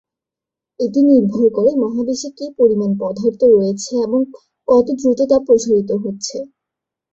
এটা নির্ভর করে মহাবিশ্বে কি পরিমাণ পদার্থ রয়েছে এবং কত দ্রুত তা প্রসারিত হচ্ছে।